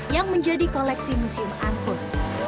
yang menjadi koleksi museum angkut